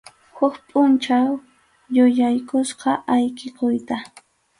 Huk pʼunchaw yuyaykusqa ayqikuyta.